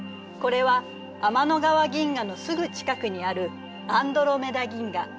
これは天の川銀河のすぐ近くにあるアンドロメダ銀河。